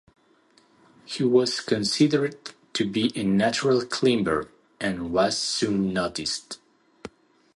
He was considered to be a natural climber, and was soon noticed.